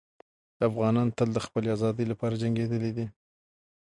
افغانان تل د خپلې ازادۍ لپاره جنګېدلي دي.